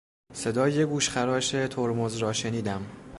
صدای گوشخراش ترمز را شنیدم.